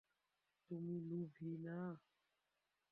তুমি লোভী না?